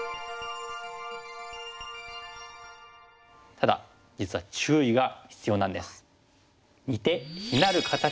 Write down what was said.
ただ実は注意が必要なんです。